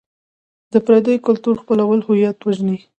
د پردیو کلتور خپلول هویت وژني.